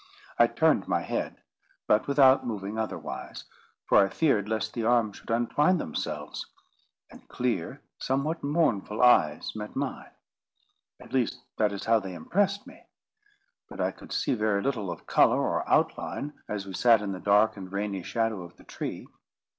I turned my head, but without moving otherwise, for I feared lest the arms should untwine themselves; and clear, somewhat mournful eyes met mine. At least that is how they impressed me; but I could see very little of colour or outline as we sat in the dark and rainy shadow of the tree.